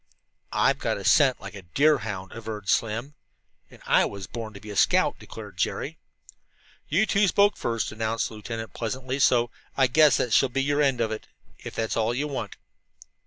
"I've got a scent like a deerhound," averred Slim. "And I was born to be a scout," declared Jerry. "You two spoke first," announced the lieutenant pleasantly, "so I guess that shall be your end of it, if that's what you want."